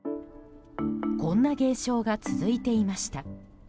こんな現象が続いていました。